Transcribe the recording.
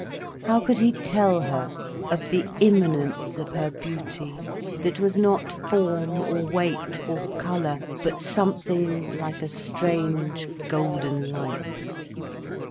How could he tell her of the immanence of her beauty, that was not form, or weight, or colour, but something like a strange, golden light!